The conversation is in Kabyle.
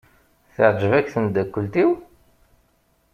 Teɛjeb-ak tmeddakelt-iw?